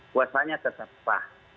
puasanya tetap pah